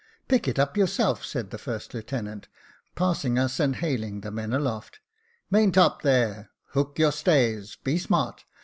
" Pick it up yourself," said the first lieutenant, passing us, and hailing the men aloft. " Maintop, there, hook on your stays. Be smart.